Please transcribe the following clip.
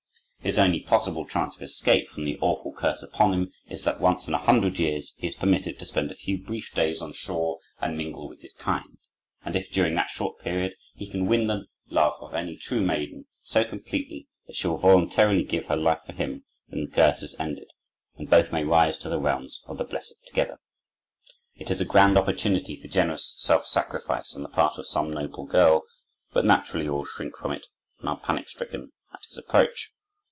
His only possible chance of escape from the awful curse upon him is that once in a hundred years he is permitted to spend a few brief days on shore and mingle with his kind, and if, during that short period, he can win the love of any true maiden so completely that she will voluntarily give her life for him, then the curse is ended and both may rise to the realms of the blessed together. It is a grand opportunity for generous self sacrifice on the part of some noble girl; but naturally all shrink from it, and are panic stricken at his approach.